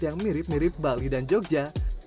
yang mirip mirip bali dan jogja